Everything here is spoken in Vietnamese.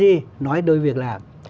chính phủ có thể làm